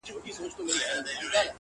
خرامانه په سالو کي ګرځېدي مین دي کړمه!.